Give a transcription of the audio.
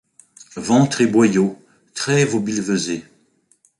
Ventre et boyaux! trêve aux billevesées !